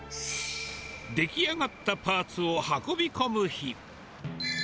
出来上がったパーツを運び込む日。